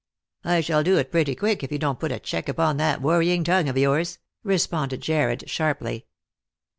" I shall do it pretty quick, if you don't put a check upon that worrying tongue of yours," responded Jarred sharply.